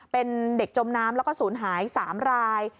เป็นเด็กจมน้ำและก็สูญหาอีก๓ราย